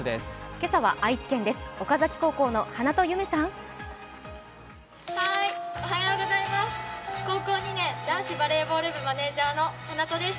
今朝は愛知県です。